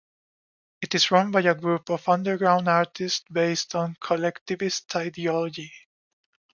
It is run by a group of underground artists based on collectivist ideology.